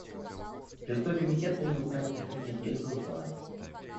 Шестой комитет принял проект решения без голосования.